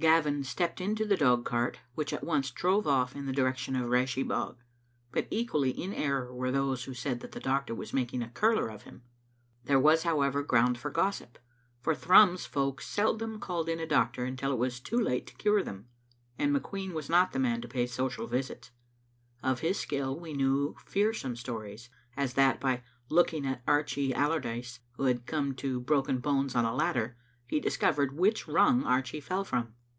Gavin stepped into the dog cart, which at once drove oflE in the direc tion of Rashie bog, but equally in error were those who said that the doctor was making a curler of him. There was, however, ground for gossip ; for Thrums folk seldom called in a doctor until it was too late to cure them, and McQueen was not the man to pay social visits. Of his skill we knew fearsome stories, as that, by looking at Archie Allardyce, who had come to Digitized by VjOOQ IC tn>e autUttd Scnson. loi Droken bones on a ladder, he discovered which rung Archie fell from.